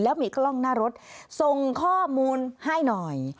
แล้วมีกล้องหน้ารถส่งข้อมูลให้หน่อย